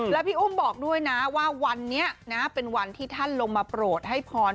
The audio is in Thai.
แล้วพี่อุ้มบอกด้วยนะว่าวันนี้นะเป็นวันที่ท่านลงมาโปรดให้พร